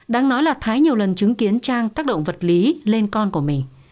đang nói là thái nhiều lần chứng kiến trang tác động vật lý lên con của mình